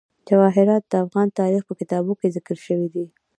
جواهرات د افغان تاریخ په کتابونو کې ذکر شوی دي.